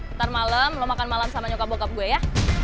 ntar malem lo makan malam sama nyokap bokap gue ya